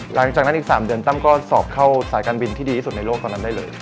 หลังจากนั้นอีก๓เดือนตั้มก็สอบเข้าสายการบินที่ดีที่สุดในโลกตอนนั้นได้เลย